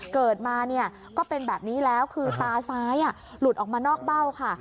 เกิดมาเนี่ยก็เป็นแบบนี้แล้วคือตาซ้ายหลุดออกมานอกเบ้าค่ะ